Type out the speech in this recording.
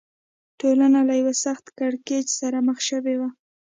ټولنه له یوه سخت کړکېچ سره مخ شوې وه.